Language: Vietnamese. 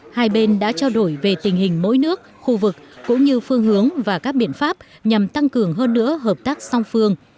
hai bên đã trao đổi về tình hình mỗi nước khu vực cũng như phương hướng và các biện pháp nhằm tăng cường hơn nữa hợp tác song phương